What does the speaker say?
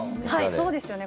そうですね。